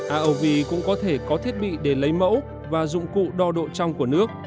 aov cũng có thể có thiết bị để lấy mẫu và dụng cụ đo độ trong của nước